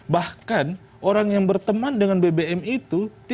bahkan orang yang berteman dengan bbm itu